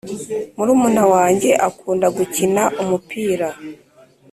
murumuna wanjye akunda gukina umupira